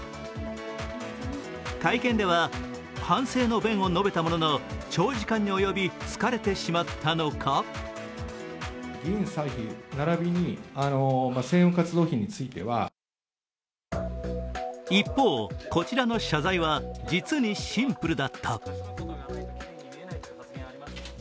会見では反省の弁を述べたものの長時間に及び疲れてしまったのか一方、こちらの謝罪は実にシンプルだった。